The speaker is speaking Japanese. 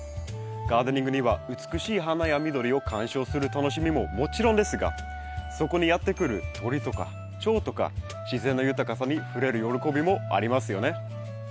ガーデニングには美しい花や緑を観賞する楽しみももちろんですがそこにやって来る鳥とかチョウとか自然の豊かさに触れる喜びもありますよね。